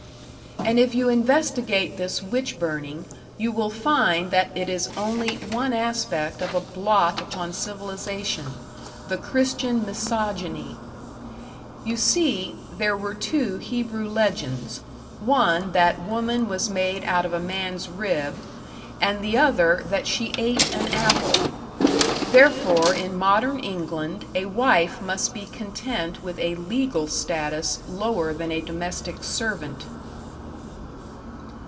And if you investigate this witch burning, you will find that it is only one aspect of a blot upon civilization, the Christian Mysogyny. You see, there were two Hebrew legends one that woman was made out of a man's rib, and the other that she ate an apple; therefore in modern England a wife must be content with a legal status lower than a domestic servant.